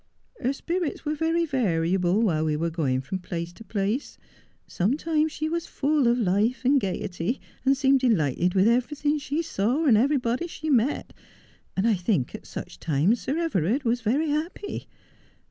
Her spirits were very variable while we were going from place to place. Sometimes she was full of life and gaiety, and seemed delighted with everything she saw and everybody she met ; and I think at such times Sir Everard was very happy.